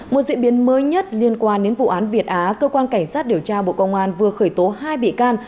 một diễn biến mới nhất liên quan đến vụ án việt á cơ quan cảnh sát điều tra bộ công an vừa khởi tố hai bị can